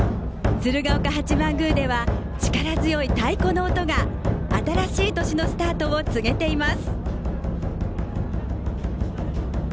鶴岡八幡宮では力強い太鼓の音が新しい年のスタートを告げています。